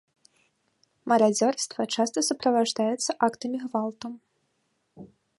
Марадзёрства часта суправаджаецца актамі гвалту.